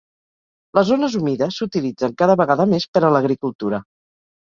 Les zones humides s'utilitzen cada vegada més per a l'agricultura.